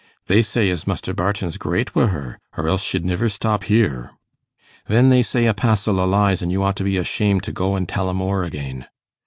'They say as Muster Barton's great wi' her, or else she'd niver stop here.' 'Then they say a passill o' lies, an' you ought to be ashamed to go an' tell 'em o'er again.